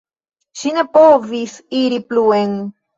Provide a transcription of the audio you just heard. Ŝi ne povis iri pluen.